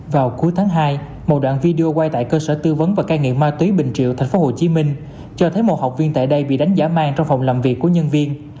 vào cuối tháng hai một đoạn video quay tại cơ sở tư vấn và cai nghiện ma túy bình triệu tp hcm cho thấy một học viên tại đây bị đánh giả mang trong phòng làm việc của nhân viên